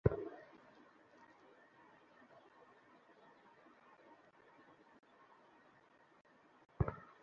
তারা স্ত্রী, পুত্র, পরিজন ছেড়ে পালাতে থাকে।